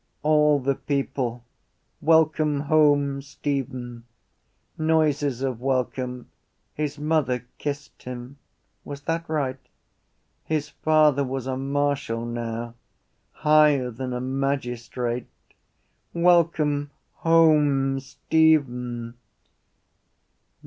All the people. Welcome home, Stephen! Noises of welcome. His mother kissed him. Was that right? His father was a marshal now: higher than a magistrate. Welcome home, Stephen!